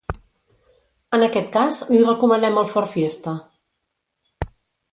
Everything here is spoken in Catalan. En aquest cas li recomanem el FordFiesta.